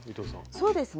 そうですね。